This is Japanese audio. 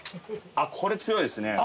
これ強いですね。